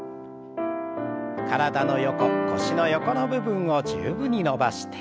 体の横腰の横の部分を十分に伸ばして。